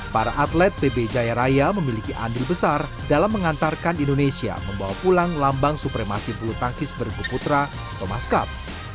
para atlet pb jaya raya memiliki andil besar dalam mengantarkan indonesia membawa pulang lambang supremasi bulu tangkis bergu putra thomas cup